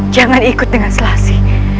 jangan ikut dengan selasi